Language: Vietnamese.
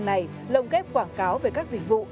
này lồng kép quảng cáo về các dịch vụ